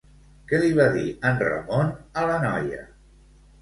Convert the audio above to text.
Què li va dir en Ramon a la noia?